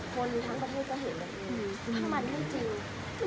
คนทั้งละเก้าจะเห็น